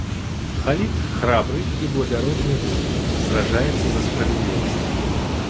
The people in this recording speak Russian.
Халид, храбрый и благородный воин, сражается за справедливость.